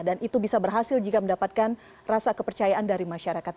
dan itu bisa berhasil jika mendapatkan rasa kepercayaan dari masyarakat